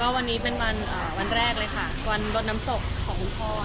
วันนี้เป็นวันแรกเลยค่ะวันรดน้ำศพของคุณพ่อ